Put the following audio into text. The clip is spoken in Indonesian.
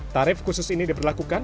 tarif khusus ini diberlakukan